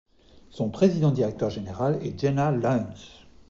Son président directeur général est Jenna Lyons.